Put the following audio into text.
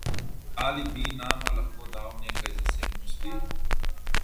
Ali bi nama lahko dal nekaj zasebnosti?